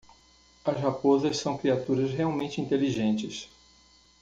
As raposas são criaturas realmente inteligentes.